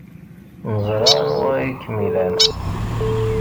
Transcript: Neẓra anwa ay kem-ilan.